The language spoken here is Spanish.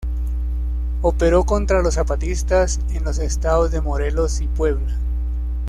Operó contra los zapatistas en los estados de Morelos y Puebla.